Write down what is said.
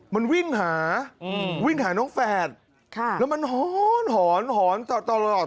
มันวิ่งหาวิ่งหาน้องฝาแฝดแล้วมันหอนนว